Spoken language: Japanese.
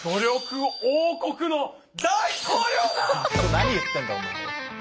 何言ってんだお前は！